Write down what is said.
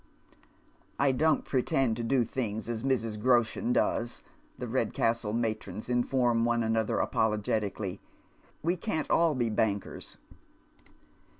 "I don't pretend to do things as Mrs. Groshen does," the Red castle matrons inform one another apologetically. " We can't all be bankers."